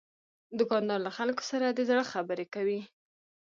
دوکاندار له خلکو سره د زړه خبرې کوي.